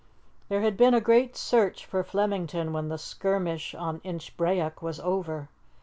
There had been a great search for Flemington when the skirmish on Inchbrayock was over.